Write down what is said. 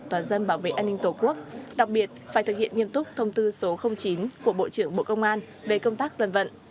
toàn dân bảo vệ an ninh tổ quốc đặc biệt phải thực hiện nghiêm túc thông tư số chín của bộ trưởng bộ công an về công tác dân vận